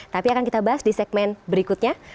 tapi akan kita bahas di segmen berikutnya